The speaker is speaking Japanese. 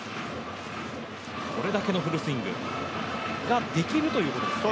これだけのフルスイングができるということですね。